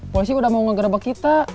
polisi udah mau nge grebek kita